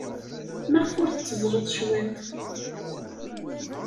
Maɣef ur tetteẓẓleḍ cwiṭ?